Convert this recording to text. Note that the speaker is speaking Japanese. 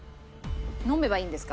飲めばいいんですか？